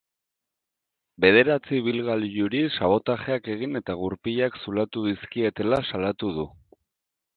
Bederatzi ibilgailuri sabotajeak egin eta gurpilak zulatu dizkietela salatu du.